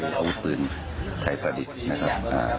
เอาวุธปืนไขพลฤทธิ์นะครับอ่า